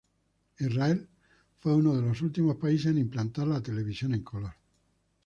Israel fue uno de los últimos países en implantar la televisión en color.